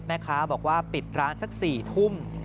แม่ค้าบอกว่าปิดร้านสัก๔ทุ่ม